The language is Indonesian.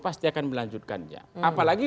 pasti akan melanjutkannya apalagi